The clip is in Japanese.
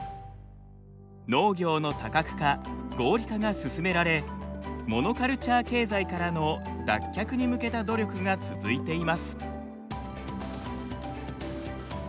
農業の多角化合理化が進められモノカルチャー経済からの脱却に向けた努力が続いています。